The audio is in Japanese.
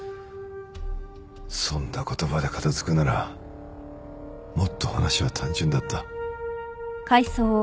そんな言葉で片付くならもっと話は単純だった。